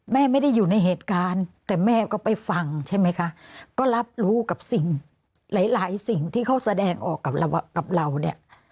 แม่ไม่ได้อยู่ในเหตุการณ์แต่แม่ก็ไปฟังใช่ไหมคะก็รับรู้กับสิ่งหลายสิ่งที่เขาแสดงออกกับเรากับเราเนี่ย